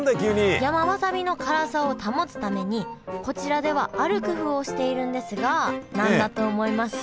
山わさびの辛さを保つためにこちらではある工夫をしているんですが何だと思いますか？